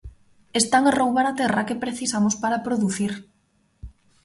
Están a roubar a terra, que precisamos para producir.